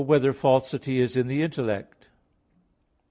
3] Whether Falsity Is in the Intellect?